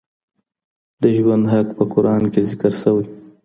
د ژوند حق په قرآن کي ذکر سوی.